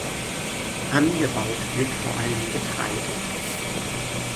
Angebaut wird vor allem Getreide.